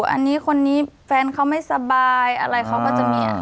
อันนี้คนนี้แฟนเขาไม่สบายอะไรเขาก็จะมี